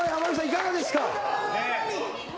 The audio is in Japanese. いかがですか？